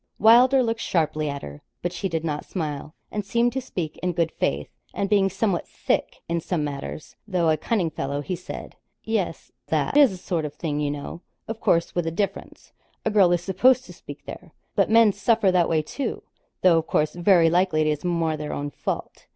Wylder looked sharply at her, but she did not smile, and seemed to speak in good faith; and being somewhat thick in some matters, though a cunning fellow, he said 'Yes; that is the sort of thing, you know of course, with a difference a girl is supposed to speak there; but men suffer that way, too though, of course, very likely it's more their own fault.'